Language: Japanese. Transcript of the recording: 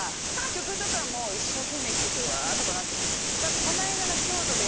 曲とかも一生懸命聴いてうわとかなって。